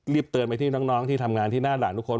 เตือนไปที่น้องที่ทำงานที่หน้าหลานทุกคน